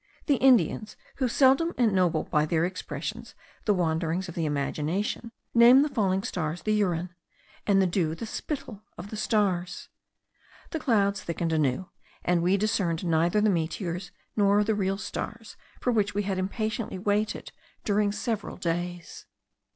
The Indians, who seldom ennoble by their expressions the wanderings of the imagination, name the falling stars the urine; and the dew the spittle of the stars. The clouds thickened anew, and we discerned neither the meteors, nor the real stars, for which we had impatiently waited during several days.